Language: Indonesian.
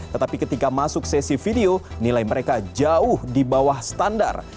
tetapi ketika masuk sesi video nilai mereka jauh di bawah standar